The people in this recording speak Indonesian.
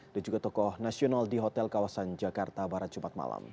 dan juga tokoh nasional di hotel kawasan jakarta barat jumat malam